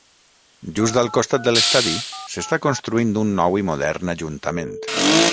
Just al costat de l'estadi, s'està construint un nou i modern ajuntament.